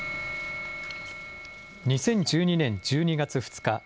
２０１２年１２月２日。